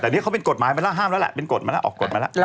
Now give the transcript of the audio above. แต่นี่เขาเป็นกฎหมายมาแล้วห้ามแล้วแหละเป็นกฎมาแล้วออกกฎมาแล้ว